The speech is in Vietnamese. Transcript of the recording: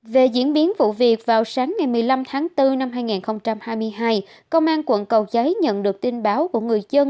về diễn biến vụ việc vào sáng ngày một mươi năm tháng bốn năm hai nghìn hai mươi hai công an quận cầu giấy nhận được tin báo của người dân